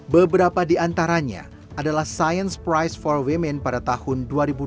beberapa di antaranya adalah science price for women pada tahun dua ribu dua puluh